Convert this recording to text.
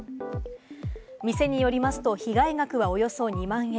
店によりますと被害額はおよそ２万円。